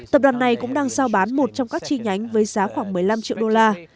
tập đoàn này cũng đang giao bán một trong các chi nhánh với giá khoảng một mươi năm triệu đô la